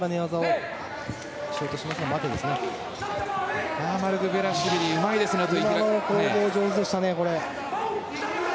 今の攻防上手でしたね。